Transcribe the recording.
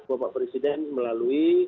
bapak presiden melalui